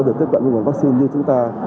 được tiếp cận những nguồn vaccine như chúng ta